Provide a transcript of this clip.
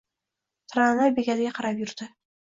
Tramvay bekatiga qarab yurdi.